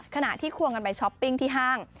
ขณะที่ควงกันไปช้อปปิ้งที่ห้าง